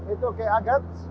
itu ke agat